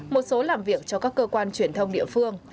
một số làm việc cho các cơ quan truyền thông địa phương